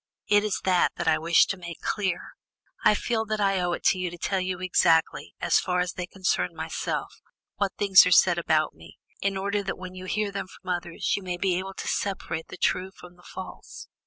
It is that that I wish to make clear; I feel that I owe it to you to tell you exactly, as far as they concern myself, what things are said about me, in order that when you hear them from others, you may be able to separate the true from the false.